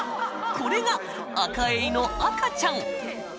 これがアカエイの赤ちゃん！